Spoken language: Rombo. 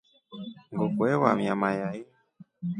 Nguku ewamia mayai.